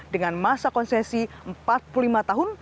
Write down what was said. dengan masa konsesi empat puluh lima tahun